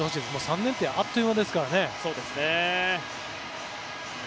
３年ってあっという間ですからね。